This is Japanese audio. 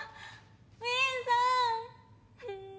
ウィンさん！